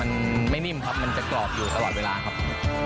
มันไม่นิ่มครับมันจะกรอบอยู่ตลอดเวลาครับ